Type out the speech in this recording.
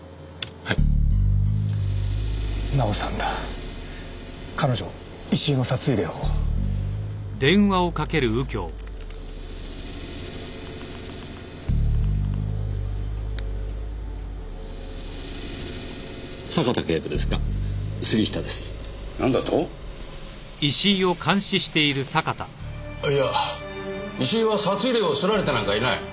あいや石井は札入れを掏られてなんかいない。